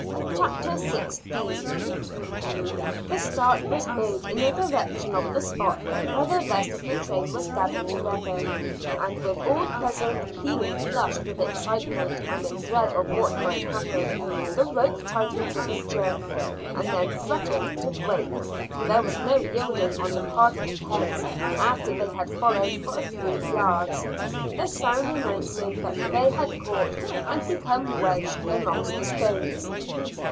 CHAPTER SIXTEEN. SADDLE NAPS. The start was made in the direction of the spot where the rest of the train was gathered together, and with all present feeling flushed with excitement and in dread of what might happen, the rope tightened with a jerk, and then threatened to break, for there was no yielding on the part of the kegs after they had followed for a few yards, the sound announcing that they had caught and become wedged amongst the stones.